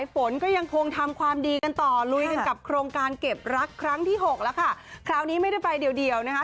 คลงการเก็บลักษณ์ครั้งที่หกแล้วค่ะคราวนี้ไม่ได้ไปเดียวเดียวนะฮะ